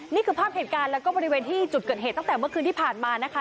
นี่คือภาพเหตุการณ์แล้วก็บริเวณที่จุดเกิดเหตุตั้งแต่เมื่อคืนที่ผ่านมานะคะ